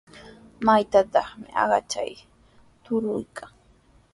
Mankatrawmi aychaqa truraraykan.